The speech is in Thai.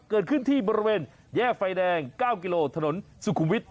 เกิดขึ้นที่บริเวณแยกไฟแดง๙กิโลถนนสุขุมวิทย